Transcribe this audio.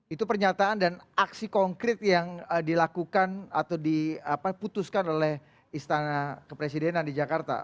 itu pernyataan dan aksi konkret yang dilakukan atau diputuskan oleh istana kepresidenan di jakarta